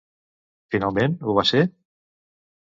Finalment, ho va ser?